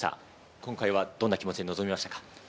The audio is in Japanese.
今回は、どんな気持ちで臨みましたか？